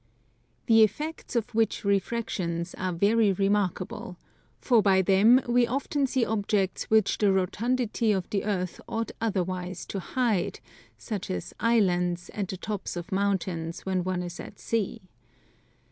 The effects of which refractions are very remarkable; for by them we often see objects which the rotundity of the Earth ought otherwise to hide; such as Islands, and the tops of mountains when one is at sea.